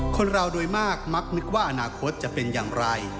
คนเราโดยมากมักนึกว่าอนาคตจะเป็นอย่างไร